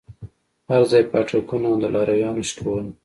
هرځاى پاټکونه او د لارويانو شکول.